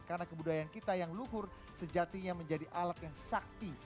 karena kebudayaan kita yang luhur sejatinya menjadi alat yang sakti